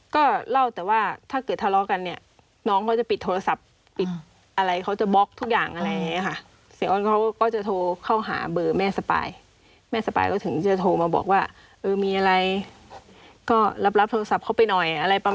ก็เล่าแต่ว่าถ้าเกิดทะเลาะกันเนี่ย